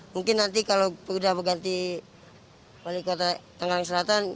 mungkin nanti kalau sudah berganti wali kota tangerang selatan